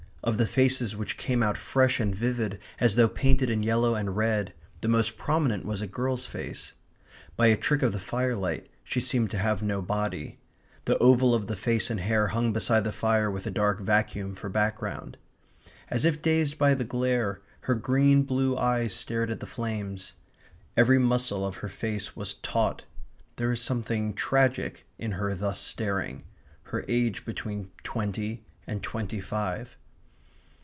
Of the faces which came out fresh and vivid as though painted in yellow and red, the most prominent was a girl's face. By a trick of the firelight she seemed to have no body. The oval of the face and hair hung beside the fire with a dark vacuum for background. As if dazed by the glare, her green blue eyes stared at the flames. Every muscle of her face was taut. There was something tragic in her thus staring her age between twenty and twenty five.